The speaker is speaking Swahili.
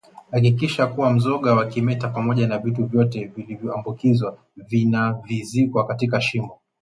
Hakikisha kuwa mzoga wa kimeta pamoja na vitu vyote vilivyoambukizwa vinavizikwa katika shimo